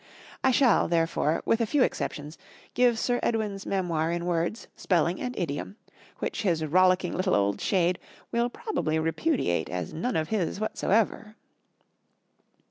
I shall, therefore, with a few exceptions, give Sir Edwin's memoir in words, spelling and idiom which his rollicking little old shade will probably repudiate as none of his whatsoever.